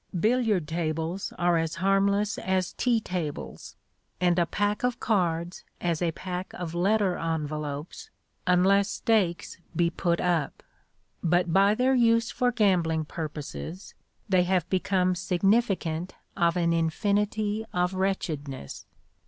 Billiard tables are as harmless as tea tables, and a pack of cards as a pack of letter envelopes, unless stakes be put up. But by their use for gambling purposes they have become significant of an infinity of wretchedness.